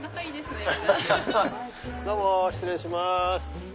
どうも失礼します。